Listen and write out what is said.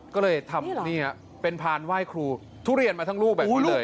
ก็เลยทำเป็นพานไหว้ครูทุเรียนมาทั้งลูกแบบนี้เลย